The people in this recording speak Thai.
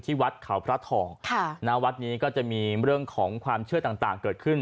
วัดเขาพระทองณวัดนี้ก็จะมีเรื่องของความเชื่อต่างเกิดขึ้น